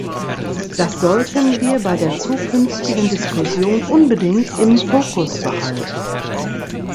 Das sollten wir bei der zukünftigen Diskussion unbedingt im Fokus behalten.